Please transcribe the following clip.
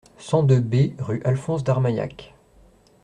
cent deux B rue Alphonse Darmaillacq